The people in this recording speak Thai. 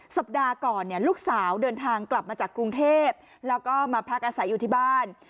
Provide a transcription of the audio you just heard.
สัปดาห์ก่อนเนี่ยลูกสาวเดินทางกลับมาจากกรุงเทพแล้วก็มาพักอาศัยอยู่ที่บ้าน